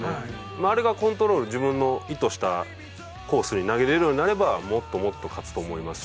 あれがコントロール自分の意図したコースに投げられるようになればもっともっと勝つと思いますし。